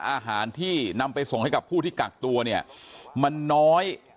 อาหารที่นำไปส่งให้กับผู้ที่กักตัวเนี่ยมันน้อย